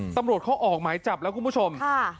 ตำรวจเขาออกหมายจับแล้วคุณผู้ชม